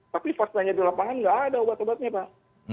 tapi faktanya di lapangan nggak ada obat obatnya pak